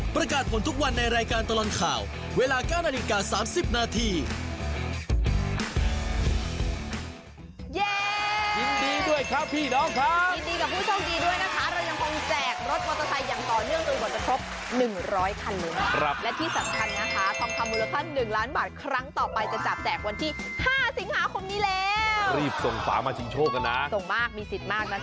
ประกาศผลทุกวันในรายการตลอดข่าวเวลา๙นาฬิกา๓๐นาที